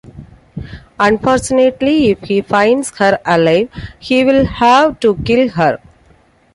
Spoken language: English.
Unfortunately, if he finds her alive, he'll have to kill her.